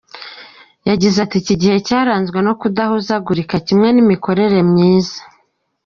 Yagize ati “Iki gihe cyaranzwe n’ukudahuzagurika kimwe n’imikorere myiza.